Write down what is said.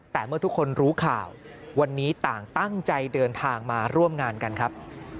แต่เมื่อทุกคนรู้ข่าววันนี้ต่างตั้งใจเดินทางมาร่วมงานกันครับ